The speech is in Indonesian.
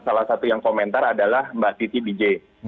salah satu yang komentar adalah mbak siti dj